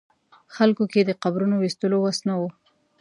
خلکو کې د قبرونو ویستلو وس نه و.